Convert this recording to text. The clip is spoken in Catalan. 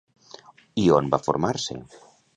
I on va formar-se?